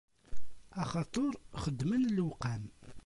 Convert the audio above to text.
Axaṭer xeddmeɣ lewqam.